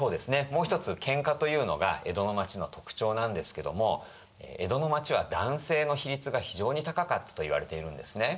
もう一つ喧嘩というのが江戸の町の特徴なんですけども江戸の町は男性の比率が非常に高かったといわれているんですね。